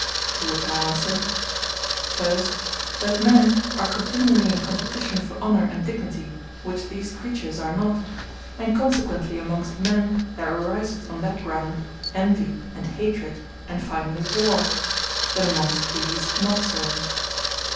To which I answer, First, that men are continually in competition for Honour and Dignity, which these creatures are not; and consequently amongst men there ariseth on that ground, Envy and Hatred, and finally Warre; but amongst these not so.